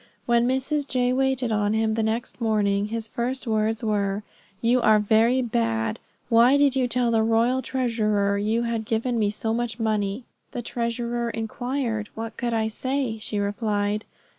When Mrs. J. waited on him the next morning, his first words were, "You are very bad; why did you tell the royal treasurer you had given me so much money?" "The treasurer inquired, what could I say?" she replied.